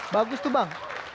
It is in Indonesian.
bagus tuh bang